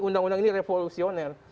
undang undang ini revolusioner